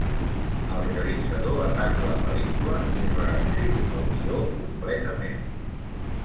El realitzador ataca la pel·lícula i reescriu el guió completament.